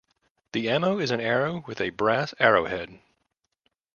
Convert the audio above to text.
The ammo is an arrow with a brass arrowhead.